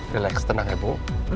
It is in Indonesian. relax tenang ya bu